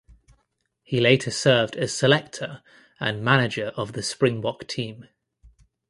He later served as selector and manager of the Springbok team.